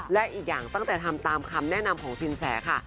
และอีกอย่างตั้งแต่ทำตามคำแนะนำของสินแสค่ะ